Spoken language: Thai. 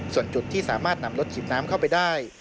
ส่วนจุดที่สามารถนำรถฉีดน้ำเข้าไปได้